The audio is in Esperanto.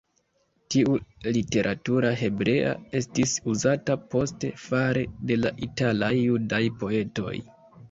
Tiu literatura hebrea estis uzata poste fare de la italaj judaj poetoj.